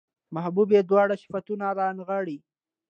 محبوبې دواړه صفتونه رانغاړي